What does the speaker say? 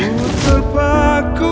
engkau jauh di situ